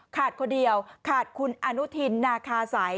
ขาดคนเดียวขาดคุณอนุทินนาคาสัย